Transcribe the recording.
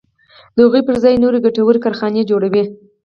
د هغو پر ځای نورې ګټورې کارخانې جوړوي.